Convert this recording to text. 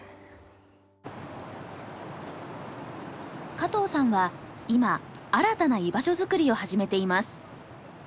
加藤さんは今新たな居場所づくりを始めています。